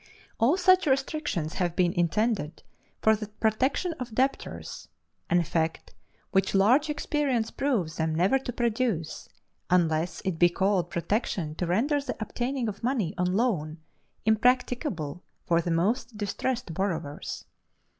All such restrictions have been intended for the protection of debtors; an effect which large experience proves them never to produce, unless it be called protection to render the obtaining of money on loan impracticable for the most distressed borrowers.